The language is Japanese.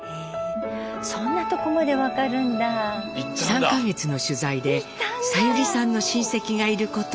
３か月の取材でさゆりさんの親戚がいることを突き止めました。